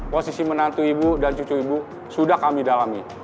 posisi menantu ibu dan cucu ibu sudah kami dalami